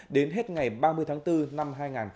đến hết ngày ba mươi tháng bốn năm hai nghìn hai mươi